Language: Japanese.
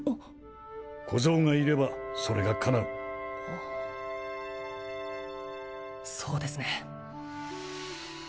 小僧がいればそれがかなうそうですね